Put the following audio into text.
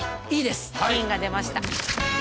いいです金が出ました